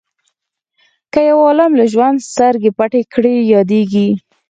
که یو عالم له ژوند سترګې پټې کړي یادیږي.